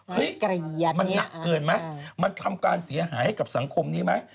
มันหนักเกินไหมมันทำการเสียหายให้กับสังคมนี้ไหม